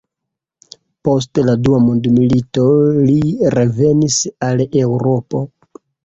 Post la dua mondmilito li revenis al Eŭropo.